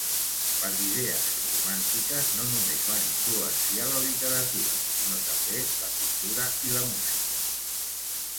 Les idees romàntiques no només van influenciar la literatura, sinó també la pintura i la música.